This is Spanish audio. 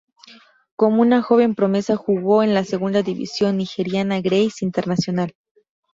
Como una joven promesa, jugó en la segunda división nigeriana Grays Internacional.